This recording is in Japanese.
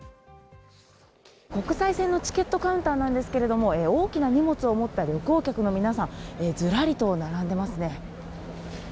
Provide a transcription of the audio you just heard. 国際線のチケットカウンターなんですけど、大きな荷物を持った旅行客の皆さん、ずらりと並んでますね。